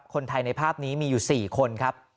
ในภาพนี้มีอยู่๔คนครับ